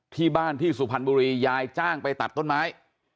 ที่บ้านที่สุพรรณบุรียายจ้างไปตัดต้นไม้